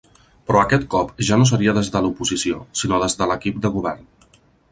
Però aquest cop ja no seria des de l’oposició, sinó des de l’equip de govern.